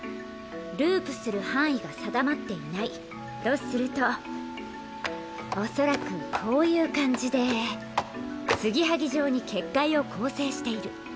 ループする範囲が定まっていないとするとおそらくこういう感じで継ぎはぎ状に結界を構成している。